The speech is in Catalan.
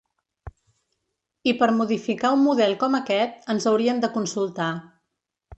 I per modificar un model com aquest, ens haurien de consultar.